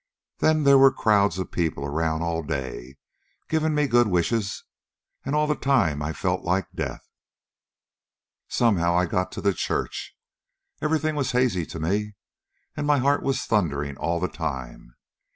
Then there were crowds of people around all day, giving me good wishes. And all the time I felt like death. "Somehow I got to the church. Everything was hazy to me, and my heart was thundering all the time.